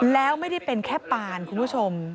แล้วไม่ได้เป็นแค่ปานคุณผู้ชม